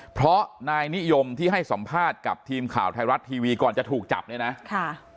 เพราะนายนิยมที่ให้สัมภาษณ์กับทีมข่าวไทยรัฐทีวีก่อนจะถูกจับเนี่ยนะค่ะ